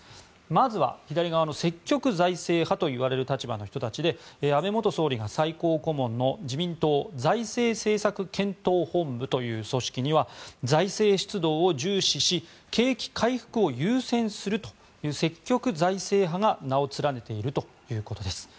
まずは、積極財政派といわれる立場の人たちで安倍元総理が最高顧問の自民党、財政政策検討本部という組織には財政出動を重視し景気回復を優先するという積極財政派が名を連ねているということです。